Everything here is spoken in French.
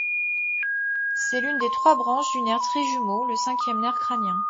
C'est l'une des trois branches du nerf trijumeau, le cinquième nerf crânien.